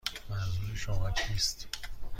منظور شما چیست؟